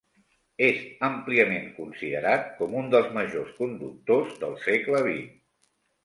És àmpliament considerat com un dels majors conductors del segle XX.